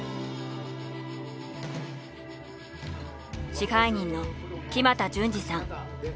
支配人の木全純治さん。